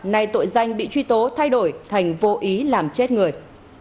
nay tội danh bị truy tố thay đổi thành vô ý làm chết người